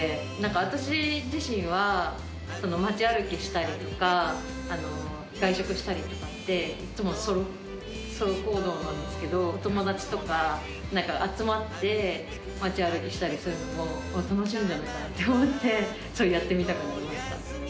私自身は街歩きしたりとか外食したりとかっていっつもソロ行動なんですけどお友達とか集まって街歩きしたりするのも楽しいんじゃないかなって思ってやってみたくなりました。